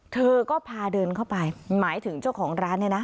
เธอก็พาเดินเข้าไปหมายถึงเจ้าของร้านเนี่ยนะ